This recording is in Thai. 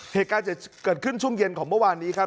เหตุการณ์จะเกิดขึ้นช่วงเย็นของเมื่อวานนี้ครับ